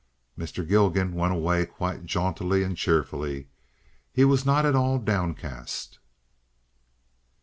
Mr. Gilgan went away quite jauntily and cheerfully. He was not at all downcast.